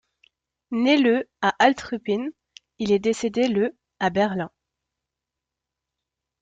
Né le à Alt Ruppin, il est décédé le à Berlin.